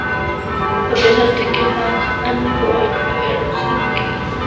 A pesar de que "Has anybody here seen Kelly?